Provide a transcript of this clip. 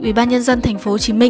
ủy ban nhân dân tp hcm